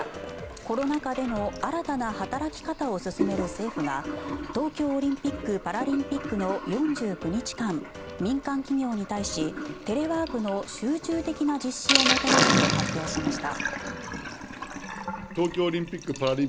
コロナ禍での新たな働き方を進める政府が東京オリンピック・パラリンピックの４９日間民間企業に対しテレワークの集中的な実施を求めると発表しました。